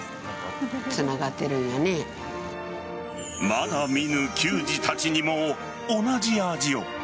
まだ見ぬ球児たちにも同じ味を。